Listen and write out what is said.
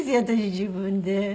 私自分で。